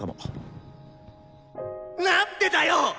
なんでだよ！